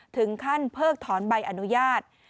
ถึงขั้นเพิกถอนใบอนุญาต